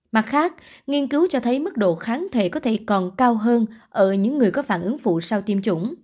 mặt khác nghiên cứu cho thấy mức độ kháng thể có thể còn cao hơn ở những người có phản ứng phụ sau tiêm chủng